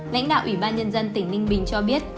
lãnh đạo ủy ban nhân dân tỉnh ninh bình cho biết